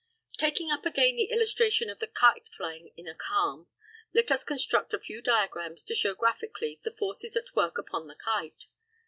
] Taking up again the illustration of the kite flying in a calm, let us construct a few diagrams to show graphically the forces at work upon the kite.